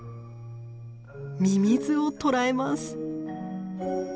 ミミズを捕らえます。